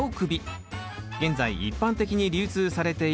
現在一般的に流通されているダイコンです。